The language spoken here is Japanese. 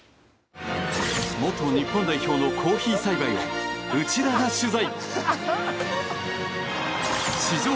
元日本代表のコーヒー栽培を内田が取材。